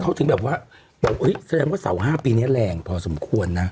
เขาถึงแบบว่าบอกแสดงว่าเสา๕ปีนี้แรงพอสมควรนะ